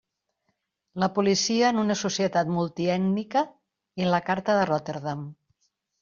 La policia en una societat multi ètnica i la carta de Rotterdam.